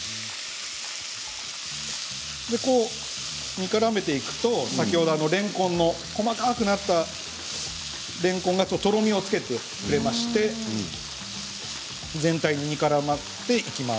煮からめていくと先ほど細かくなったれんこんがとろみをつけてくれまして全体に煮からまっていきます。